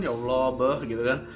ya allah abah gitu kan